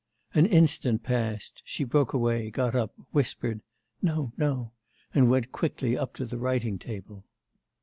An instant passed... she broke away, got up, whispered 'No, no,' and went quickly up to the writing table.